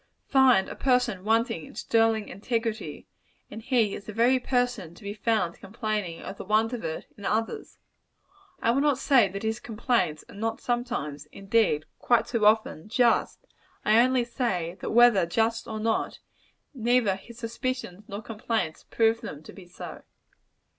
Find a person wanting in sterling integrity, and he is the very person to be found complaining of the want of it in others. I will not say that his complaints are not sometimes indeed, quite too often just; I only say, that whether just or not, neither his suspicions nor complaints prove them to be so.